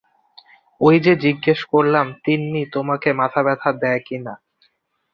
ঐ যে জিজ্ঞেস করলাম, তিন্নি তোমাকে মাথাব্যথা দেয় কি না।